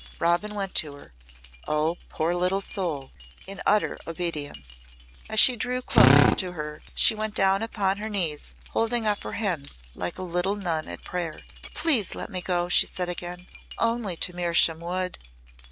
Robin went to her oh, poor little soul! in utter obedience. As she drew close to her she went down upon her knees holding up her hands like a little nun at prayer. "Please let me go," she said again. "Only to Mersham Wood."